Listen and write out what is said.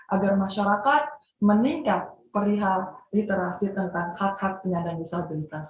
agar masyarakat meningkat perihal literasi tentang hak hak penyandang disabilitas